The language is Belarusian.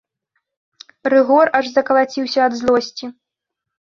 Рыгор аж закалаціўся ад злосці.